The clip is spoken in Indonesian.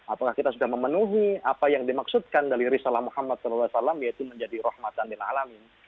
apakah kita sudah memenuhi apa yang dimaksudkan dari risalah muhammad saw yaitu menjadi rahmatan lil alamin